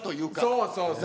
そうそうそう。